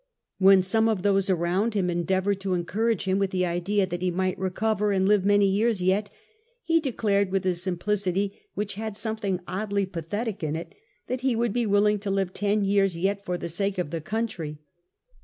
When some of those around him endeavoured to encourage him with the idea that he might recover and live many years yet, he declared with a simplicity which had something oddly pathetic in it that he would be willing to live ten years yet for the sake of the country.